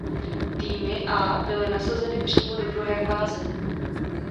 Týmy a byly nasazeny přímo do druhé fáze.